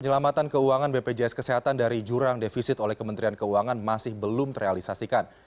penyelamatan keuangan bpjs kesehatan dari jurang defisit oleh kementerian keuangan masih belum terrealisasikan